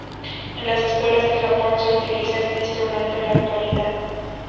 En las escuelas de Japón se utiliza este instrumento en la actualidad.